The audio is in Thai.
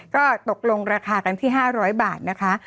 ก็ตกลงราคากันที่๕๐๐บาทนะคะ